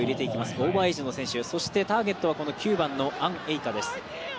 オーバーエージの選手、ターゲットは９番のアン・エイカです。